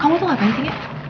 kamu tuh gak gantinya